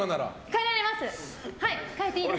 変えられます。